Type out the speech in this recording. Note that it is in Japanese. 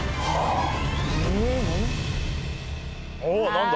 何だ？